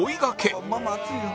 ママ熱いよ。